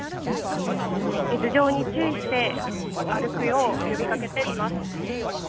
頭上に注意して歩くよう呼びかけています。